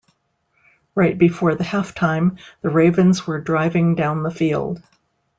Right before the halftime, the Ravens were driving down field.